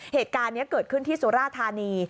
เหตุการณ์นี้เกิดขึ้นที่สุราธานี